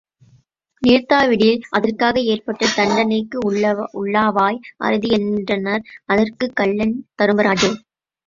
நிறுத்தாவிடில் அதற்காக ஏற்பட்ட தண்டனைக்கு உள்ளாவாய், அறிதி என்றனர், அதற்குக் கள்ளன் தருமராஜரே!